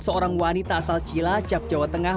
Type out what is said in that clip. seorang wanita asal cilacap jawa tengah